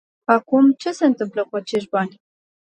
Acum, ce se întâmplă cu acești bani?